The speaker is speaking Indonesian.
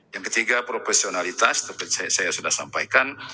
yang ketiga profesionalitas seperti saya sudah sampaikan